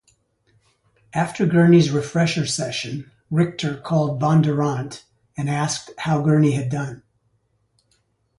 After Gurney's refresher session, Richter called Bondurant and asked how Gurney had done.